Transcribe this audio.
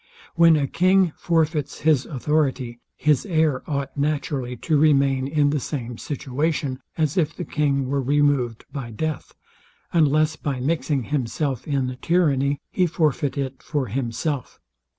When a king forfeits his authority, his heir ought naturally to remain in the same situation, as if the king were removed by death; unless by mixing himself in the tyranny, he forfeit it for himself.